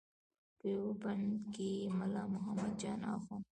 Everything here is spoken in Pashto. په یوه بند کې یې ملا محمد جان اخوند.